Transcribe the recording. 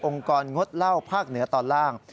กรงดเหล้าภาคเหนือตอนล่าง